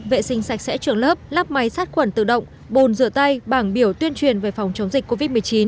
vệ sinh sạch sẽ trường lớp lắp máy sát khuẩn tự động bồn rửa tay bảng biểu tuyên truyền về phòng chống dịch covid một mươi chín